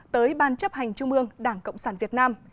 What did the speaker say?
tới ban chấp hành trung ương đảng cộng sản việt nam